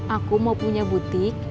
aku mau punya butik